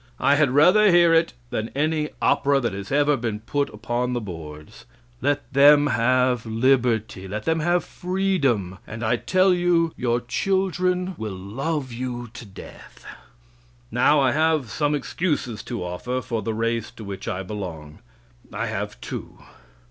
I had rather hear it than any opera that has ever been put upon the boards. Let them have liberty; let them have freedom, and I tell you your children will love you to death. Now, I have some excuses to offer for the race to which I belong. I have two.